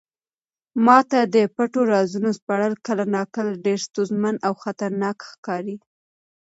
ما ته د پټو رازونو سپړل کله ناکله ډېر ستونزمن او خطرناک ښکاري.